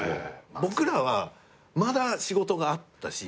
僕らはまだ仕事があったし。